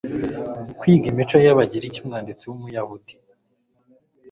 kwiga imico y Abagiriki Umwanditsi w Umuyahudi